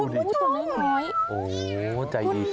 โอ้โฮจากใจอีก